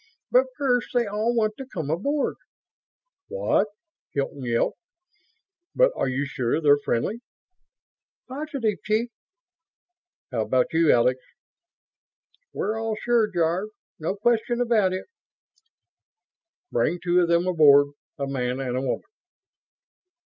But first, they all want to come aboard...." "What?" Hilton yelped. "But are you sure they're friendly?" "Positive, chief." "How about you, Alex?" "We're all sure, Jarve. No question about it." "Bring two of them aboard. A man and a woman."